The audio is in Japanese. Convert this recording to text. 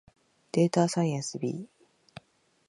データサイエンス B